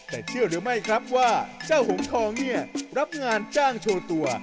แต่เชื่อหรือไม่ครับว่าเจ้าหงทองเนี่ยรับงานจ้างโชว์ตัว